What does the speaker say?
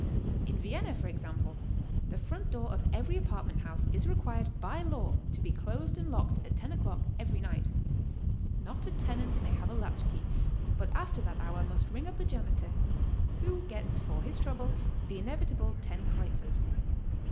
In Vienna, for example, the front door of every apartment house is required by law to be closed and locked at lo o'clock every night. Not a tenant may have a latch key, but after that hour must ring up the janitor, who gets for his trouble the inevitable lO kreuzers.